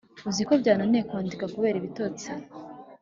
uziko byananiye kwandika kubera ibitotsi